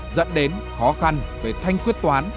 dẫn đến khó khăn về thanh quyết toán